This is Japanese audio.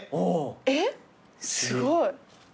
えっすごい。